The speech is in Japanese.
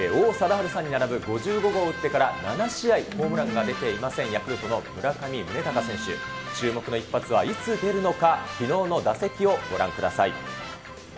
王貞治さんに並ぶ５５号を打ってから７試合、ホームランが出ていません、ヤクルトの村上宗隆選手、注目の一発はいつ出るのか、きのうの打席をご覧ください。